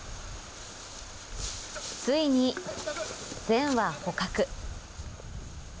ついに全羽捕獲。